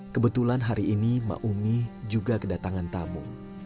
kebetulan hari ini maumi juga kedatangan tamu